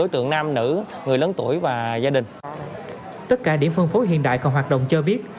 tất cả điểm phân phối hiện đại còn hoạt động cho biết